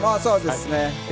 そうですね。